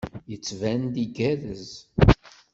Yettban-d igerrez.